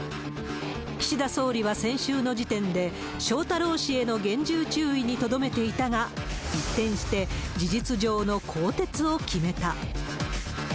岸田総理は先週の時点で、翔太郎氏への厳重注意にとどめていたが、一転して、事実上の更迭を決めた。